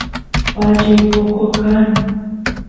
pachay poco kan